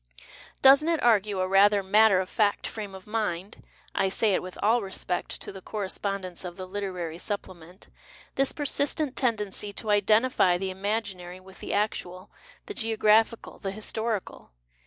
Doesn't it argue a rather matter of fact frame of mind — I say it with all respect to the correspondents of the Literary Supplement — this persistent tendency to " identify " the imaginary with the actual, the geographical, the historical